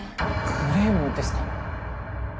クレヨンですか？